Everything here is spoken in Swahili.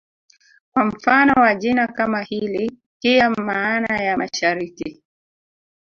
Kwa mfano wa jina kama hili Kiya maana ya Mashariki